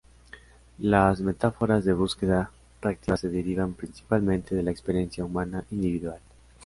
Las metáforas de búsqueda reactiva se derivan principalmente de la experiencia humana individual.